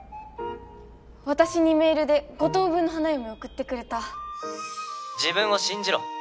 私にメールで「五等分の花嫁」を送ってくれた自分を信じろ